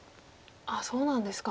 そうなんですか。